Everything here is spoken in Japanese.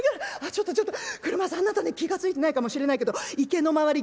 ちょっとちょっと俥屋さんあなたね気が付いてないかもしれないけど池の周り